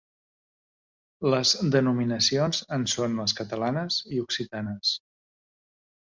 Les denominacions en són les catalanes i occitanes.